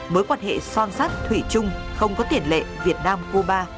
mối quan hệ son sắt thủy chung không có tiền lệ việt nam cuba